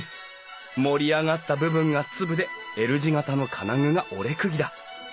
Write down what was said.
盛り上がった部分がツブでＬ字形の金具が折釘だ。